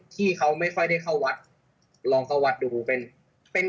ที่เขาไม่ค่อยได้เข้าวัดลองเข้าวัดดูเป็นเป็น